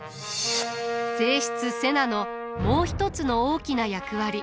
正室瀬名のもう一つの大きな役割。